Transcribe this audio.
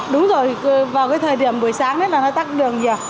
đúng rồi vào cái thời điểm buổi sáng đấy là nó tắc đường nhiều